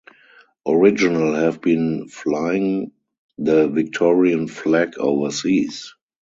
Original have been flying the Victorian flag overseas.